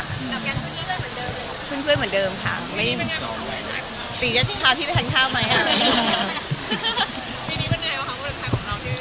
แล้วต้องการช่วงปีนี้เวลาเหมือนเดิมหรือ